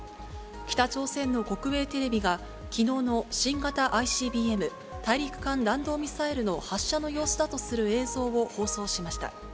北朝鮮の国営テレビが、きのうの新型ＩＣＢＭ・大陸間弾道ミサイルの発射の様子だとする映像を放送しました。